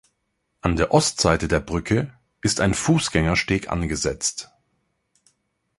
An der Ostseite der Brücke ist ein Fußgängersteg angesetzt.